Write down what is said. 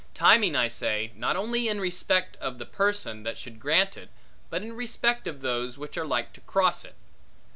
Timing, I say, not only in respect of the person that should grant it, but in respect of those, which are like to cross it.